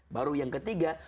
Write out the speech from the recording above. baru yang ketiga